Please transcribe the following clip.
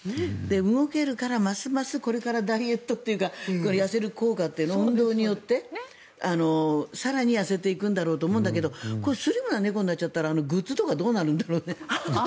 動けるからますますこれからダイエットというか痩せる効果運動によって更に、痩せていくんだろうと思うんだけどスリムな猫になっちゃったら確かに。